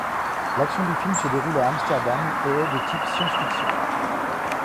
L'action du film se déroule à Amsterdam et est de type science-fiction.